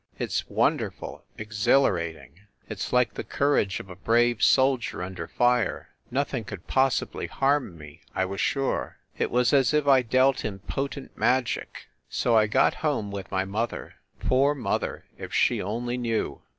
It s wonderful, exhilarating! It s like the courage of a brave soldier under fire. Nothing could possibly harm me, I was sure. It was as if I dealt in potent magic. So I got home with my mother. Poor mother ! if she only knew